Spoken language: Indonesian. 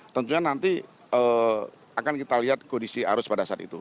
tentunya nanti akan kita lihat kondisi arus pada saat itu